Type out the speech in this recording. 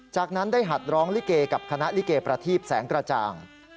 จากนั้นได้หัดร้องลิเกกับคณะลิเกประทีบแสงกระจ่าง